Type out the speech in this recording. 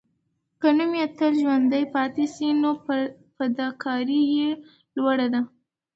که نوم یې تل ژوندی پاتې سي، نو فداکاري یې لوړه ده.